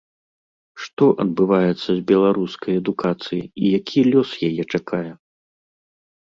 Што адбываецца з беларускай адукацыяй і які лёс яе чакае?